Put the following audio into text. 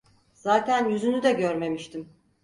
Zaten yüzünü de görmemiştim.